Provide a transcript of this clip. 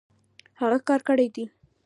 هغۀ کار کړی دی